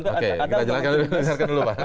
oke kita jelaskan dulu pak